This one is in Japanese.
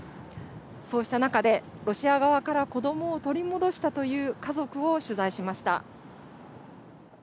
そうした中でロシア側から子どもを取り戻したという家族を取材しました。